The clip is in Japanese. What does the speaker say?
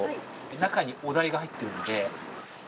中にお題が入ってるので。